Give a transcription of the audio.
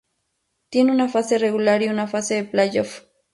Tiene una fase regular y una fase de playoffs.